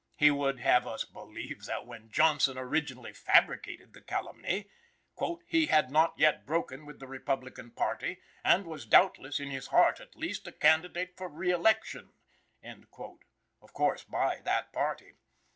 He would have us believe that when Johnson originally fabricated the calumny, "he had not yet broken with the Republican party, and was, doubtless, in his heart at least, a candidate for reëlection," of course by that party.